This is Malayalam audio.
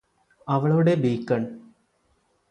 അവളുടെ ബീക്കണ്